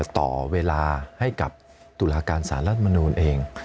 ต่อเวลาให้กับตุลาการสารรัฐมนูลเอง